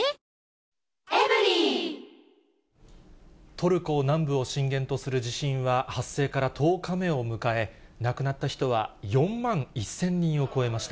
トルコ南部を震源とする地震は発生から１０日目を迎え、亡くなった人は４万１０００人を超えました。